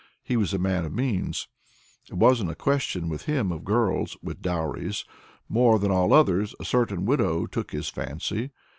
He was a man of means. It wasn't a question with him of girls (with dowries); more than all others, a certain widow took his fancy.